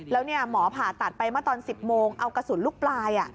แล้วเนี่ยหมอผ่าตัดไปมาตอน๑๐โมงเอากระสุนลูกปลายอ่ะ